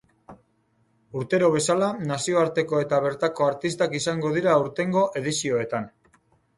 Urtero bezala, nazioarteko eta bertako artistak izango dira aurtengo edizioetan.